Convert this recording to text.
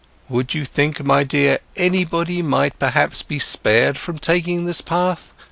Would you think, my dear, anybody might perhaps be spared from taking this path?